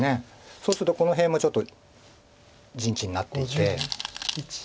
そうするとこの辺もちょっと陣地になっていって。